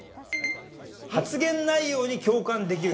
「発言内容に共感できる人は？」